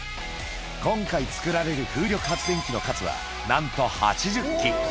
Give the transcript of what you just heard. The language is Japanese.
今回、つくられる風力発電機の数は、なんと８０基。